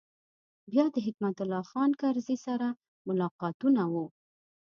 بیا د حکمت الله خان کرزي سره ملاقاتونه و.